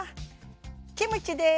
キムチです！